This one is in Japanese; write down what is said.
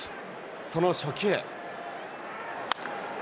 その初球。